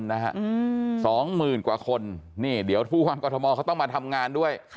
ผู้ว่างกอทมเขาต้องมาทำงานด้วย